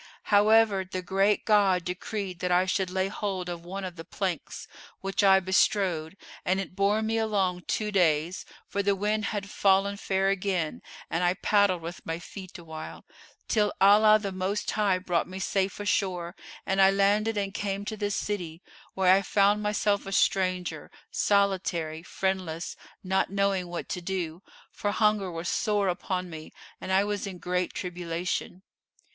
[FN#445] However, the Great God decreed that I should lay hold of one of the planks, which I bestrode, and it bore me along two days, for the wind had fallen fair again, and I paddled with my feet awhile, till Allah the Most High brought me safe ashore and I landed and came to this city, where I found myself a stranger, solitary, friendless, not knowing what to do; for hunger was sore upon me and I was in great tribulation.